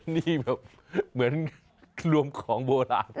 นี่เหมือนรวมของโบราณคุณ